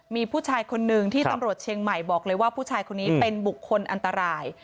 มีผู้ชายคนนึงที่ตำรวจเชียงใหม่บอกเลยว่าผู้ชายคนนี้เป็นบุคคลอันตราย